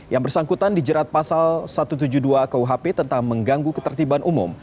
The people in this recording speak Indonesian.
yang bersangkutan dijerat pasal satu ratus tujuh puluh dua kuhp tentang mengganggu ketertiban umum